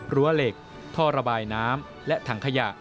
เหล็กท่อระบายน้ำและถังขยะ